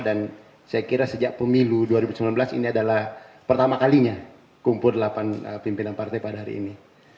dan saya kira sejak pemilu dua ribu sembilan belas ini adalah pertama kalinya kumpul delapan pimpinan partai pada hari ini